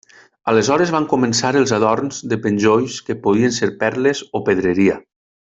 Aleshores van començar els adorns de penjolls que podien ser perles o pedreria.